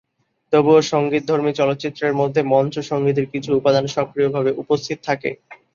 তবুও সঙ্গীতধর্মী চলচ্চিত্রের মধ্যে মঞ্চ সঙ্গীতের কিছু উপাদান সক্রিয়ভাবে উপস্থিত থাকে।